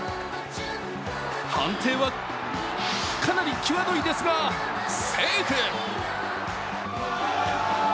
判定は、かなり際どいですがセーフ。